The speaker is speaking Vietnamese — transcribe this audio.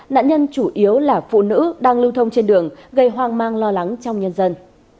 nạn nhân chủ yếu là phụ nữ đang lưu thông trên đường gây hoang mang lo lắng trong nhân dân